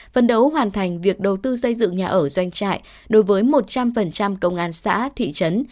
phân đấu hoàn thành việc đầu tư xây dựng nhà ở doanh trại đối với một trăm linh công an xã thị trấn